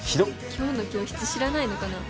今日の教室知らないのかな？